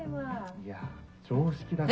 ・いや常識だから。